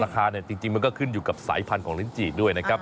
จริงมันก็ขึ้นอยู่กับสายพันธุ์ของลิ้นจีดด้วยนะครับ